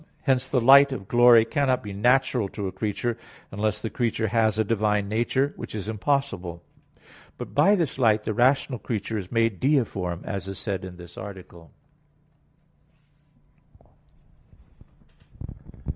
Hence the light of glory cannot be natural to a creature unless the creature has a divine nature; which is impossible. But by this light the rational creature is made deiform, as is said in this article.